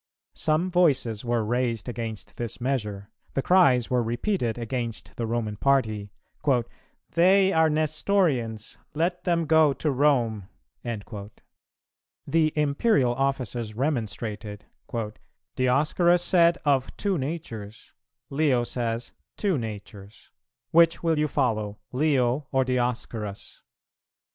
Some voices were raised against this measure; the cries were repeated against the Roman party, "They are Nestorians; let them go to Rome." The Imperial officers remonstrated, "Dioscorus said, 'Of two natures;' Leo says, 'Two natures:' which will you follow, Leo or Dioscorus?"